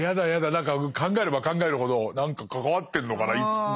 何か考えれば考えるほど何か関わってるのかなどっかで。